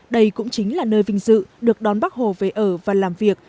đây cũng chính là nơi vinh dự được đón bác hồ về ở và làm việc